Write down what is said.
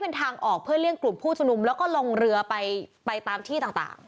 เป็นทางออกเพื่อเลี่ยงกลุ่มผู้ชมนุมแล้วก็ลงเรือไปไปตามที่ต่าง